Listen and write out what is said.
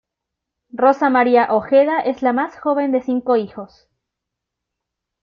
Rosa María Ojeda es la más joven de cinco hijos.